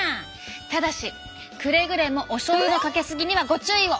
ただしくれぐれもおしょうゆのかけすぎにはご注意を！